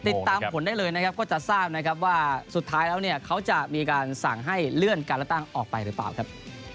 ติดตามผลได้เลยนะครับก็จะทราบนะครับว่าสุดท้ายแล้วเนี่ยเขาจะมีการสั่งให้เลื่อนการเลือกตั้งออกไปหรือเปล่าครับ